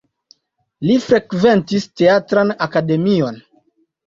Li frekventis Teatran Akademion.